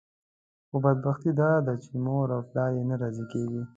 خو بدبختي داده چې مور او پلار یې نه راضي کېږي.